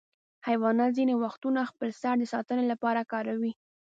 حیوانات ځینې وختونه خپل سر د ساتنې لپاره کاروي.